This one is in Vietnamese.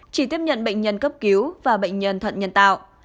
chỉ tiếp nhận bệnh nhân cấp cứu và bệnh nhân thận nhân tạo